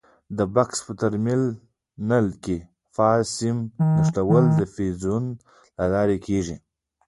د بکس په ترمینل کې د فاز سیم نښلول د فیوزونو له لارې کېږي.